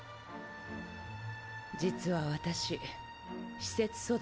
実は私施設育ちでね。